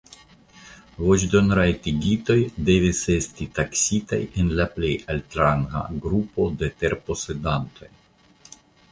Voĉdonrajtigitoj devis esti taksitaj en la plej altranga grupo de terposedantoj.